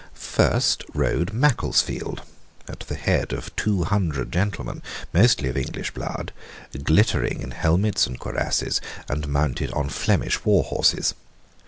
First rode Macclesfield at the head of two hundred gentlemen, mostly of English blood, glittering in helmets and cuirasses, and mounted on Flemish war horses.